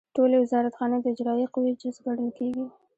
ټولې وزارتخانې د اجرائیه قوې جز ګڼل کیږي.